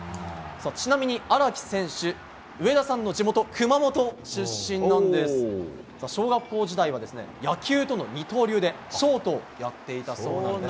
ちなみに荒木選手上田さんの地元熊本出身なんです。小学校時代は野球との二刀流でショートをやっていたそうなんです。